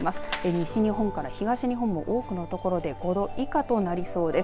西日本から東日本も多くの所で５度以下となりそうです。